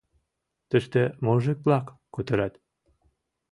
Тыште мужик-влак кутырат!